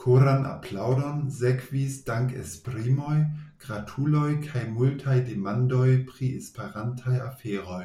Koran aplaŭdon sekvis dankesprimoj, gratuloj kaj multaj demandoj pri Esperantaj aferoj.